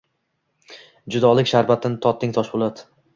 Judolik sharbatin totding, Toshpo‘lat.